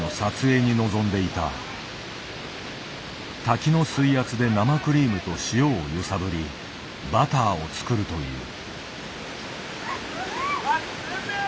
滝の水圧で生クリームと塩を揺さぶりバターを作るという。